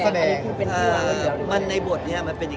ชิคกี้แจงนะครับกับเรื่องราวที่เกิดขึ้น